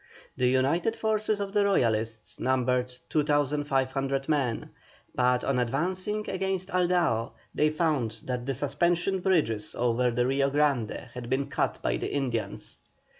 The united forces of the Royalists numbered 2,500 men, but on advancing against Aldao, they found that the suspension bridges over the Rio Grande had been cut by the Indians.